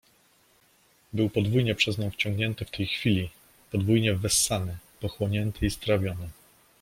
Był podwójnie przez nią wciągnięty w tej chwili, po dwójnie wessany, pochłonięty i strawiony.